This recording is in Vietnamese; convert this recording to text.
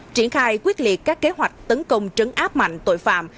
triển khai quyết liệt các kế hoạch tấn công trấn áp mạnh tội phạm